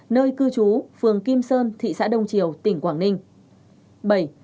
nơi cư trú phường kim sơn thị xã đông triều tỉnh quảng ninh